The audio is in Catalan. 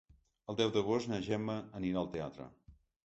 El deu d'agost na Gemma anirà al teatre.